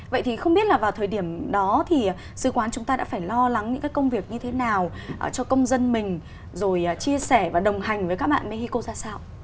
vậy thì không biết là vào thời điểm đó thì sứ quán chúng ta đã phải lo lắng những cái công việc như thế nào cho công dân mình rồi chia sẻ và đồng hành với các bạn mexico ra sao